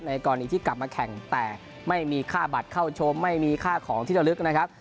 กรณีที่กลับมาแข่งแต่ไม่มีค่าบัตรเข้าชมไม่มีค่าของที่จะลึกนะครับ